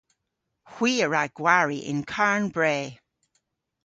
Hwi a wra gwari yn Karn Bre.